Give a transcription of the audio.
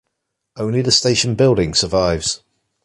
Only the station building survives.